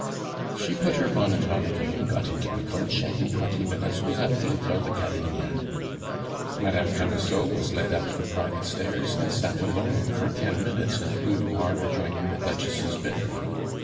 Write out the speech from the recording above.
She put her bonnet on again, got into the coach, and in twenty minutes was at the Hotel de Cadignan. Madame Camusot was led up the private stairs, and sat alone for ten minutes in a boudoir adjoining the Duchess' bedroom.